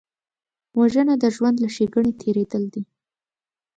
وژنه د ژوند له ښېګڼې تېرېدل دي